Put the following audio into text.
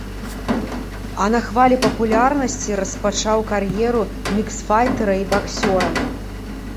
А на хвалі папулярнасці распачаў кар'еру міксфайтэра і баксёра.